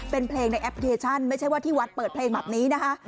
เป็นเพลงในแอพพิว่าจะเปิดเพลงแบบนี้นะฮะ